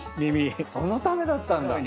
そのためだったんだ。